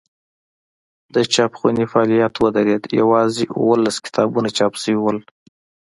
د چاپخونې فعالیت ودرېد یوازې اوولس کتابونه چاپ شوي وو.